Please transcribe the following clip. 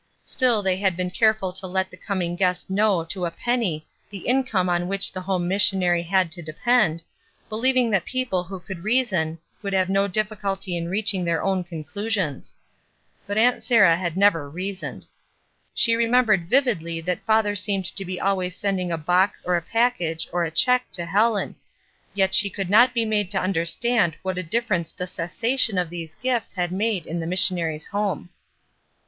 Still they had been careful to let the coming guest know to a penny the income on which the home missionary had to depend, 11 36 ESTER RIED'S NAMESAKE believing that people who could reason would have no difficulty in reaching their own conclu sions. But Aunt Sarah had never reasoned. She remembered vividly that father seemed to be always sending a box or a package or a check to Helen ; yet she could not be made to imder stand what a difference the cessation of these gifts had made in the missionary's home.